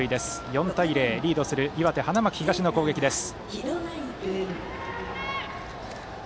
４対０、リードする岩手・花巻東の攻撃です。